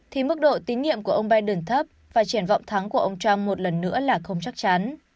thì mức độ tín nhiệm của ông biden thấp và triển vọng thắng của ông trump một lần nữa là không chắc chắn